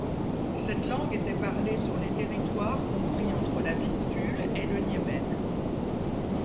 Cette langue était parlée sur les territoires compris entre la Vistule et le Niémen.